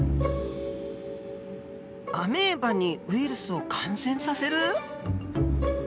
アメーバにウイルスを感染させる？